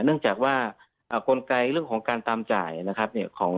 เนื่องจากว่ากลไกเรื่องของการตามจ่ายนะครับเนี่ย